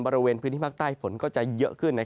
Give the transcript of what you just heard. บริเวณพื้นที่ภาคใต้ฝนก็จะเยอะขึ้น